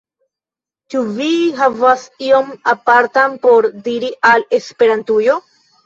Ĉu vi havas ion apartan por diri al Esperantujo?